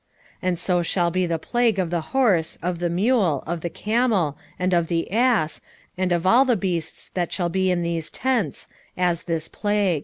14:15 And so shall be the plague of the horse, of the mule, of the camel, and of the ass, and of all the beasts that shall be in these tents, as this plague.